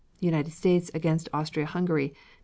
United States against Austria Hungary, Dec.